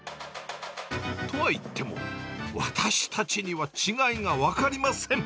とはいっても、私たちには違いが分かりません。